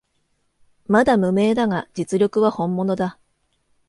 まだ無名だが実力は本物だ